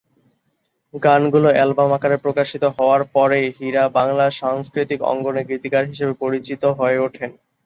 গানগুলো এলবাম আকারে প্রকাশিত হওয়ার পরে হীরা বাংলা সাংস্কৃতিক অঙ্গনে গীতিকার হিসেবে পরিচিত হয়ে ওঠেন।